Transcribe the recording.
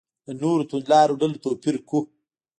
له نورو توندلارو ډلو توپیر کړو.